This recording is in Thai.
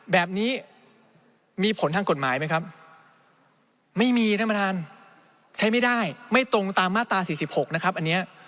แบบนี้มีผลทางกฎหมายไหมครับไม่มีท่านประธานใช้ไม่ได้ไม่ตรงตามมาตรา๔๖นะครับอันนี้